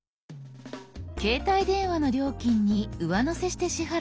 携帯電話の料金に上乗せして支払う方法の他